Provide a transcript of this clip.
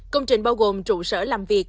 công trình bao gồm trụ sở làm việc